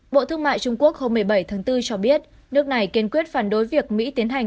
bộ thương mại trung quốc hôm một mươi bảy tháng bốn cho biết nước này kiên quyết phản đối việc mỹ tiến hành